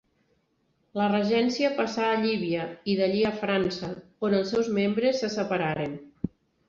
La Regència passà a Llívia i, d'allí, a França, on els seus membres se separaren.